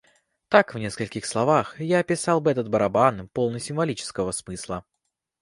Так в нескольких словах я описала бы этот барабан, полный символического смысла.